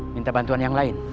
minta bantuan yang lain